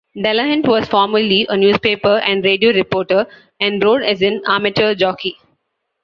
Delahunt was formerly a newspaper and radio reporter and rode as an amateur jockey.